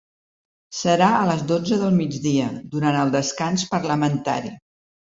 Serà a les dotze del migdia, durant el descans parlamentari.